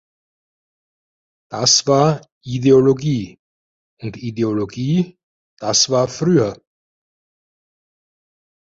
Das war Ideologie und Ideologie, das war früher“.